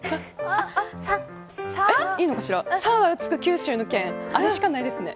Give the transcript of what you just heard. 「さ」がつく九州の県、あれしかないですね。